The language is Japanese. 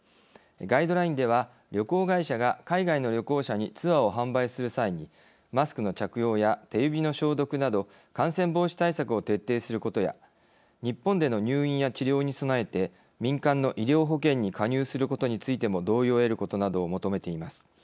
ガイドラインでは旅行会社が海外の旅行者にツアーを販売する際にマスクの着用や手指の消毒など感染防止対策を徹底することや日本での入院や治療に備えて民間の医療保険に加入することについても同意を得ることなどを求めています。